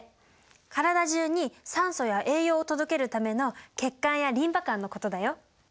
体中に酸素や栄養を届けるための血管やリンパ管のことだよ。